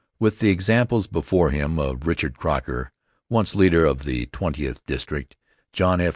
With the examples before him of Richard Croker, once leader of the Twentieth District; John F.